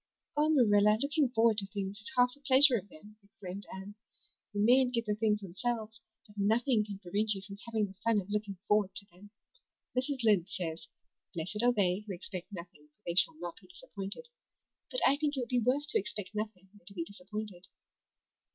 "Oh, Marilla, looking forward to things is half the pleasure of them," exclaimed Anne. "You mayn't get the things themselves; but nothing can prevent you from having the fun of looking forward to them. Mrs. Lynde says, 'Blessed are they who expect nothing for they shall not be disappointed.' But I think it would be worse to expect nothing than to be disappointed."